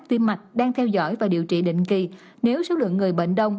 tim mạch đang theo dõi và điều trị định kỳ nếu số lượng người bệnh đông